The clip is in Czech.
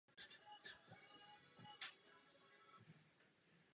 Hora se nachází asi šest kilometrů jihovýchodně od Bad Schandau v Saském Švýcarsku.